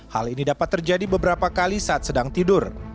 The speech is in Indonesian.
hal ini dapat terjadi beberapa kali saat sedang tidur